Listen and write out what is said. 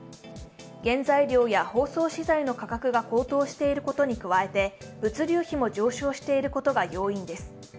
原材料や包装資材の価格が高騰していることに加えて物流費も上昇していることが要因です。